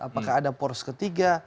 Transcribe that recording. apakah ada poros ketiga